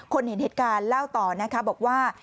เห็นเหตุการณ์เล่าต่อนะคะบอกว่า